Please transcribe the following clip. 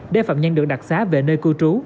để phạm nhân được đặc xá về nơi cư trú